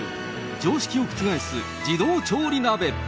常識を覆す自動調理鍋。